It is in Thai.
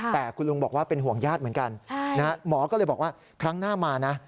แต่คุณลุงบอกว่าเป็นห่วงญาติเหมือนกันหมอก็เลยบอกว่าครั้งหน้ามานะ